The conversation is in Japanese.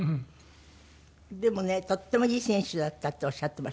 でもね「とってもいい選手だった」っておっしゃってましたよ。